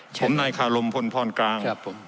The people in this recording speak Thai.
ผมนายคารมพลพรกลาง